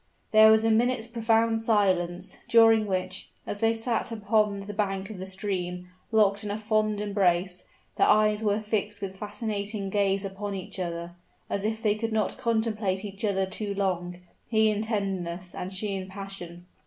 There was a minute's profound silence during which, as they sat upon the bank of the stream, locked in a fond embrace, their eyes were fixed with fascinating gaze upon each other, as if they could not contemplate each other too long he in tenderness, and she in passion.